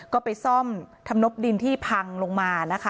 ก็ไปซ่อมทำนบดินที่พังลงมานะคะ